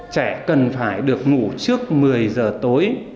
trẻ cần phải được ngủ trước một mươi giờ tối